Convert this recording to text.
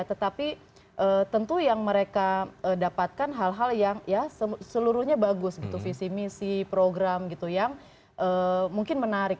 tetapi tentu yang mereka dapatkan hal hal yang ya seluruhnya bagus gitu visi misi program gitu yang mungkin menarik